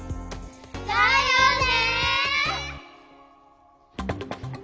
だよね。